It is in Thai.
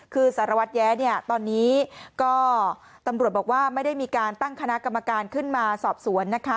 คือสารวัตรแย้ตอนนี้ก็ตำรวจบอกว่าไม่ได้มีการตั้งคณะกรรมการขึ้นมาสอบสวนนะคะ